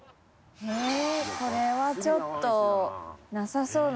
これはちょっとなさそうな。